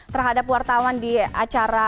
terhadap wartawan di acara